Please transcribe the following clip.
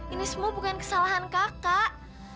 ini semua bukan kesalahan kakak